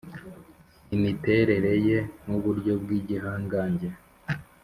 imiterere ye nuburyo bwigihangange,